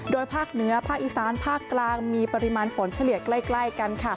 ภาคเหนือภาคอีสานภาคกลางมีปริมาณฝนเฉลี่ยใกล้กัน